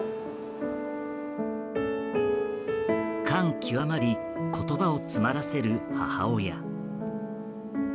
感極まり言葉を詰まらせる母親。